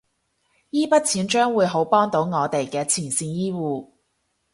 依筆錢將會好幫到我哋嘅前線醫護